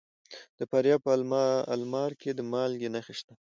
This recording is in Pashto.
د فاریاب په المار کې د مالګې نښې شته.